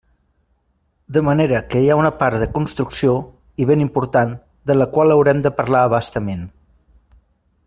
De manera que hi ha una part de construcció, i ben important, de la qual haurem de parlar a bastament.